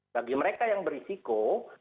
bagi mereka yang berisiko